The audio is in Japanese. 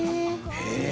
へえ！